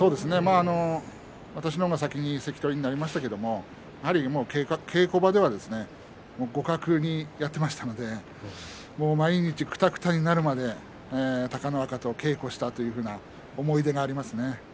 私の方が先に関取になりましたけれどもやはり稽古場では互角にやっていましたので毎日くたくたになるまで隆乃若と稽古をしたというような思い出がありますね。